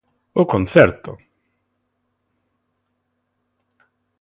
O concerto!